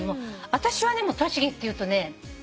私は栃木っていうとね